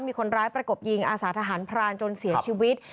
มีคนร้ายประกบยิงอาสาทหารพรานจนเสียชีวิต